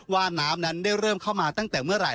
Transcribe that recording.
ว่าน้ำนั้นได้เริ่มเข้ามาตั้งแต่เมื่อไหร่